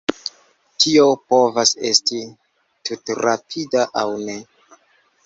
Tio povas esti tutrapida, aŭ ne.